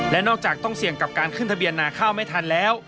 และนอกจากต้องเสี่ยงกับการขึ้นทะเบียนนาข้าวไม่ทันแล้ว